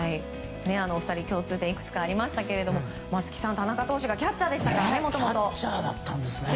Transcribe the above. お二人の共通点いくつかありましたが松木さん、田中投手はキャッチャーだったんですね